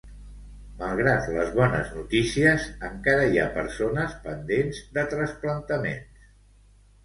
Malgrat les bones notícies, encara hi ha persones pendents de trasplantaments.